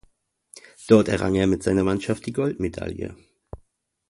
Dort errang er mit seiner Mannschaft die Goldmedaille.